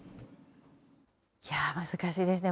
いやぁ、難しいですね。